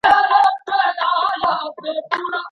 جوماتونه د پوهاوي لپاره څنګه کارول کیږي؟